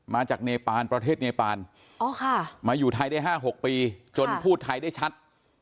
มาจากเนปานประเทศเนปานมาอยู่ไทยได้๕๖ปีจนพูดไทยได้ชัด